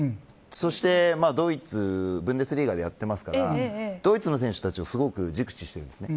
そしてドイツブンデスリーガでやってますからドイツの選手たちをすごく熟知しています。